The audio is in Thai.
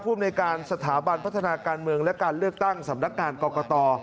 ภูมิในการสถาบันพัฒนาการเมืองและการเลือกตั้งสำนักงานกรกต